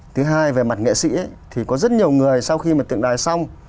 thứ hai về mặt nghệ sĩ thì có rất nhiều người sau khi mà tượng đài xong